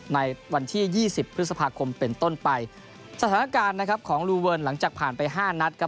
ในวันที่ยี่สิบพฤษภาคมเป็นต้นไปสถานการณ์นะครับของลูเวิร์นหลังจากผ่านไปห้านัดครับ